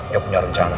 ya punya rencana